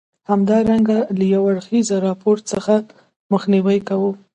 همدارنګه له یو اړخیز راپور څخه مخنیوی کوم.